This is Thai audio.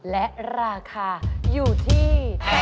และราคาอยู่ที่